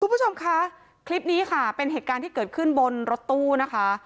คุณผู้ชมคะคลิปนี้ค่ะเป็นเหตุการณ์ที่เกิดขึ้นบนรถตู้นะคะ